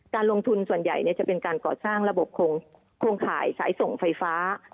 การลงทุนส่วนใหญ่จะเป็นการก่อสร้างระบบโครงข่ายสายส่งไฟฟ้า